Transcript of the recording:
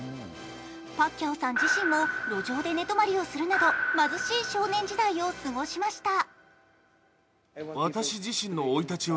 パッキャオさん自身も路上で寝泊まりするなど、貧しい少年時代を過ごしました。